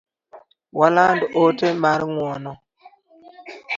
Waland ote mar ng’uono